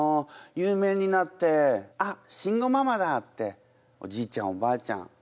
有名になって「あっ慎吾ママだ！」っておじいちゃんおばあちゃん